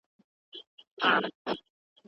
دسوما په باده مسته